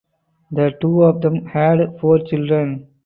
The two of them had four children.